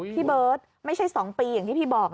พี่เบิร์ตไม่ใช่๒ปีอย่างที่พี่บอก